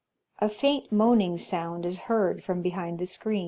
"^ A faint moaning sound is heard from behind the screen.